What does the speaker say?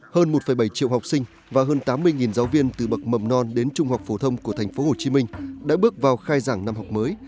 hơn một bảy triệu học sinh và hơn tám mươi giáo viên từ bậc mầm non đến trung học phổ thông của thành phố hồ chí minh đã bước vào khai giảng năm học mới